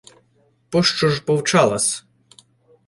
— Пощо ж мовчала-с?